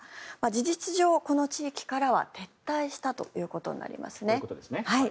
事実上、この地域からは撤退したということになります。